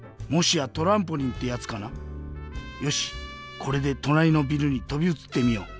これでとなりのビルにとびうつってみよう。